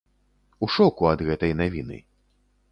У шоку ад гэтай навіны.